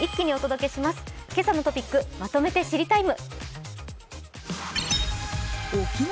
「けさのトピックまとめて知りＴＩＭＥ，」。